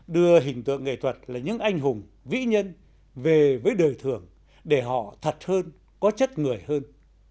đưa hình tượng nghệ thuật là những anh hùng vĩ nhân về với đời thường để họ thật hơn có chất người hơn